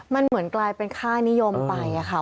มันเหมือนกลายเป็นค่านิยมไปค่ะ